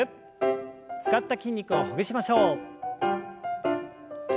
使った筋肉をほぐしましょう。